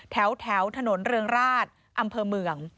แถวถนนเรืองราชอำเภอเมือง